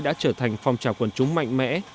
đã trở thành phong trào quần chúng mạnh mẽ